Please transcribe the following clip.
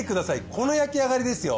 この焼き上がりですよ。